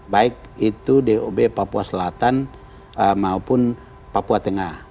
baik itu dob papua selatan maupun papua tengah